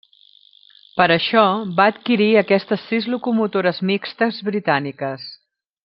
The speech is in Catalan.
Per això, va adquirir aquestes sis locomotores mixtes britàniques.